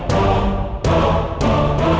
semuanya ada jalan keluarnya